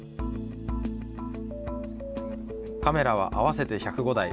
カメラは合わせて１０５台。